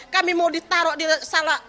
kami mau ditaruh di salah